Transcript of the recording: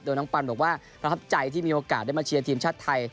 โดยน้องปันบอกว่าประทับใจที่มีโอกาสได้มาเชียร์ทีมชาติไทย